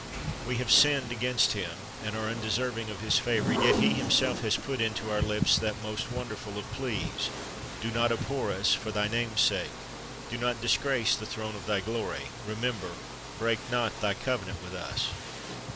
We have sinned against Him, and are undeserving of His favor; yet He Himself has put into our lips that most wonderful of pleas, "Do not abhor us, for Thy name's sake; do not disgrace the throne of Thy glory; remember, break not Thy covenant with us."